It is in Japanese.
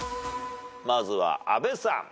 まずは阿部さん。